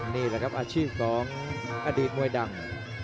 นี่แหละครับอาชีพของอดีตมวยดัง